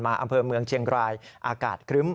อำเภอเมืองเชียงรายอากาศครึ้ม